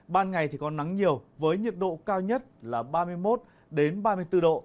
ban ngày thì có nắng nhiều với nhiệt độ cao nhất là ba mươi một ba mươi bốn độ